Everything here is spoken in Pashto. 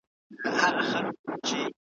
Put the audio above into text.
په لومړۍ ورځ چي ځالۍ دي جوړوله ,